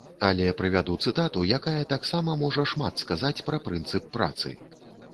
Але прывяду цытату, якая таксама можа шмат сказаць пра прынцып працы.